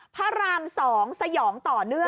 พระราม๒สยองต่อเนื่อง